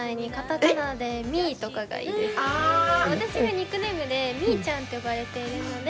私がニックネームでみいちゃんって呼ばれているので。